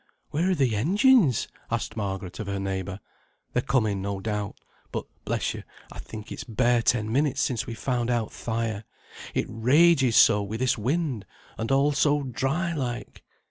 "Where are the engines?" asked Margaret of her neighbour. "They're coming, no doubt; but, bless you, I think it's bare ten minutes since we first found out th' fire; it rages so wi' this wind, and all so dry like."